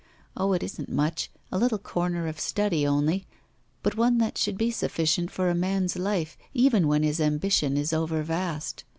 Oh, it isn't much, a little corner of study only, but one that should be sufficient for a man's life, even when his ambition is over vast.